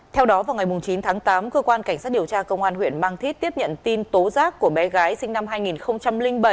theo đó vào ngày chín tháng tám cơ quan cảnh sát điều tra công an huyện mang thít tiếp nhận tin tố giác của bé gái sinh năm hai nghìn bảy